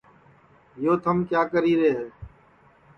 یو تھم کِیا کری ہے